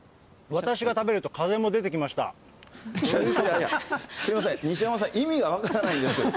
私が食べると風も出てきましいやいや、すみません、にしやまさん、意味が分からないんですけど。